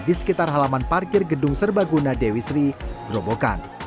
di sekitar halaman parkir gedung serbaguna dewi seri grobogan